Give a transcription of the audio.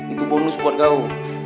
itu bonus buat kau